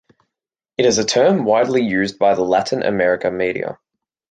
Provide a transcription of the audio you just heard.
It is a term widely used by Latin American media.